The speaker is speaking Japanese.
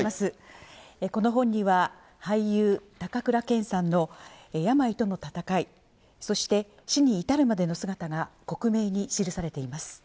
この本には、俳優、高倉健さんの病との闘い、そして、死に至るまでの姿が克明に記されています。